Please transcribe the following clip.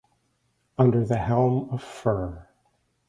Under the helm of Fr.